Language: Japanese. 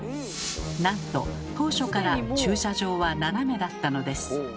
なんと当初から駐車場は斜めだったのです。